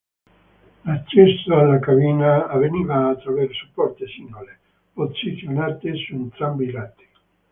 L'accesso alla cabina avveniva attraverso porte singole, posizionate su entrambi i lati.